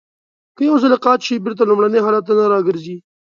که یو ځلی قات شي بېرته لومړني حالت ته نه را گرځي.